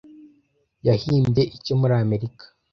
yahimbye icyo muri Amerika